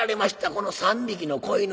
この３匹の子犬